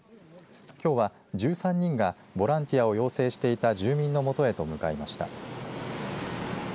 きょうは１３人がボランティアを要請していた住民の元へと向かいました。